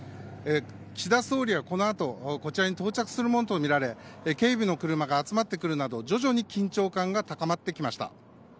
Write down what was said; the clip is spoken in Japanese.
岸田総理は、このあとこちらに到着するものとみられ警備の車が集まってくるなど徐々に緊張感が高まってきました。